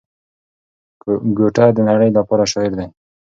ګوته د نړۍ لپاره شاعر دی.